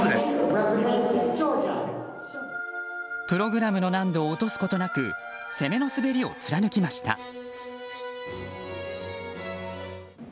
プログラムの難度を落とすことなく攻めの滑りを貫きました。